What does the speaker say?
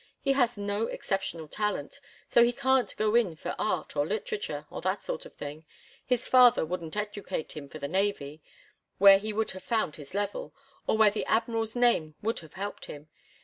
He has no exceptional talent, so he can't go in for art or literature or that sort of thing. His father wouldn't educate him for the navy, where he would have found his level, or where the Admiral's name would have helped him.